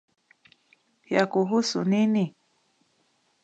Yakuhusu nini?